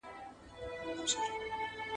د ښاره ووزه، د نرخه ئې مه وزه.